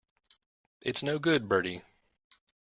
It's no good, Bertie.